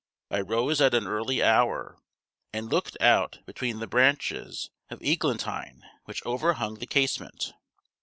I rose at an early hour, and looked out between the branches of eglantine which overhung the casement.